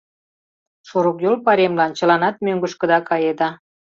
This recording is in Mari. — Шорыкйол пайремлан чыланат мӧҥгышкыда каеда.